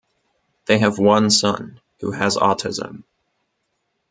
They have one son, who has autism.